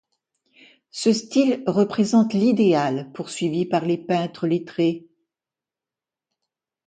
Ce style représente l'idéal poursuivi par les peintres lettrés.